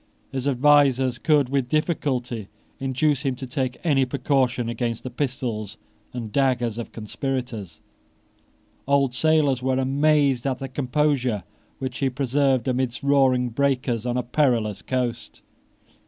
His advisers could with difficulty induce him to take any precaution against the pistols and daggers of conspirators. Old sailors were amazed at the composure which he preserved amidst roaring breakers on a perilous coast.